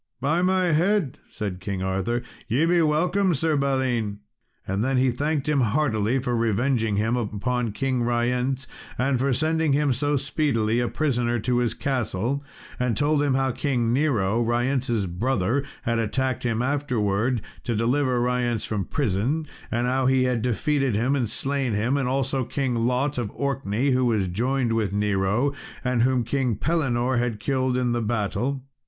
"By my head," said King Arthur, "ye be welcome, Sir Balin;" and then he thanked him heartily for revenging him upon King Ryence, and for sending him so speedily a prisoner to his castle, and told him how King Nero, Ryence's brother, had attacked him afterwards to deliver Ryence from prison; and how he had defeated him and slain him, and also King Lot, of Orkney who was joined with Nero, and whom King Pellinore had killed in the battle.